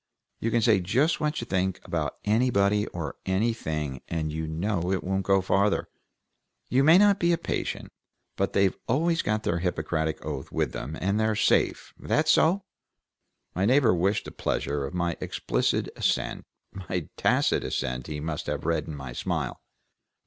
You can say just what you think about anybody or anything, and you know it won't go farther. You may not be a patient, but they've always got their Hippocratic oath with them, and they're safe. That so?" My neighbor wished the pleasure of my explicit assent; my tacit assent he must have read in my smile.